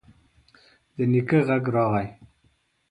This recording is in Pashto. د نيکه غږ راغی: